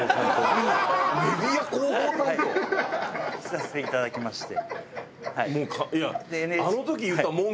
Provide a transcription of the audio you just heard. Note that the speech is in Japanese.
させていただきまして。